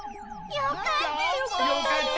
よかったね。